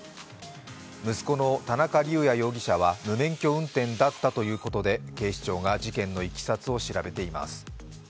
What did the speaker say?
息子の田中龍也容疑者は無免許運転だったということで警視庁が事件のいきさつを調べています。